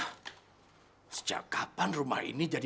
ndung valores yang dia alam yang homage sih